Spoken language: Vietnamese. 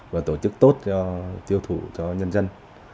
và tổ chức tốt cho tiêu thụ cho nhân dân